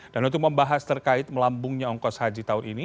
dan untuk membahas terkait melambungnya ongkos haji tahun ini